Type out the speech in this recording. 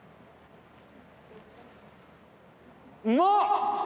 うまっ！